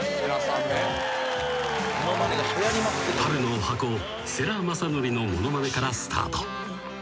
［パルのおはこ世良公則のものまねからスタート］